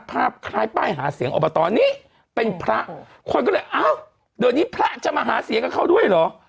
ภาพคล้ายป้ายหาเสียงอบตนี้เป็นพระคนก็เลยอ้าวเดี๋ยวนี้พระจะมาหาเสียงกับเขาด้วยเหรอ